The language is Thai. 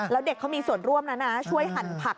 แล้วเด็กเขามีส่วนร่วมแล้วนะช่วยหั่นผัก